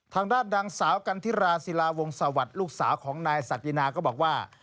ทางราชดังสาวกันทิราศีลาวงศาวัฒน์ลูกสาวของนายศัตริยนาก็บอกว่า